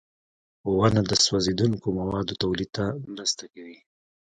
• ونه د سوځېدونکو موادو تولید ته مرسته کوي.